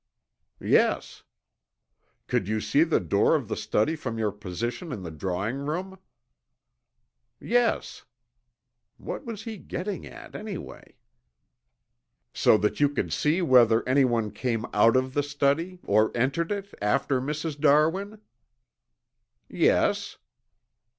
"Yes." "Could you see the door of the study from your position in the drawing room?" "Yes." What was he getting at, anyway? "So that you could see whether anyone came out of the study, or entered it after Mrs. Darwin?" "Yes."